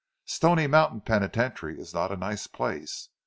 "Stoney Mountain Penitentiary is not a nice place.